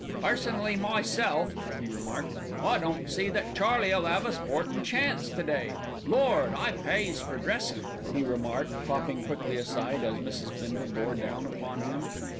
"Personally myself," he remarked, "I don't see that Charlie'll 'ave a sportin' chance to day. Lord! I pays for dressin'," he remarked, popping quickly aside as Mrs. Bindle bore down upon him.